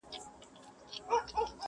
و تیارو ته مي له لمره پیغام راوړ,